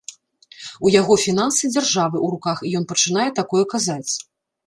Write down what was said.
У яго фінансы дзяржавы ў руках і ён пачынае такое казаць.